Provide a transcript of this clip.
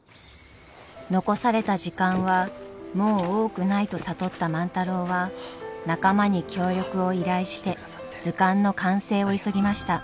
残された時間はもう多くないと悟った万太郎は仲間に協力を依頼して図鑑の完成を急ぎました。